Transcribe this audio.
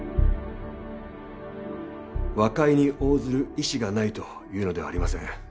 和解に応ずる意思がないというのではありません。